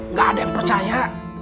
nggak ada yang percaya